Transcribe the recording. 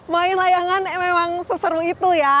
main layangan memang seseru itu ya